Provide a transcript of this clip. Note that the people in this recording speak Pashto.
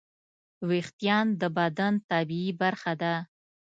وېښتيان د بدن طبیعي برخه ده.